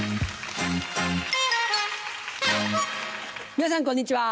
皆さんこんにちは。